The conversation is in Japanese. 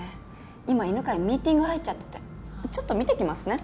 今犬飼ミーティング入っちゃっててちょっと見てきますね